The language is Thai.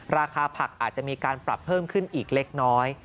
ราคาผักอาจจะมีการปรับเพิ่มขึ้นอีกเล็กน้อย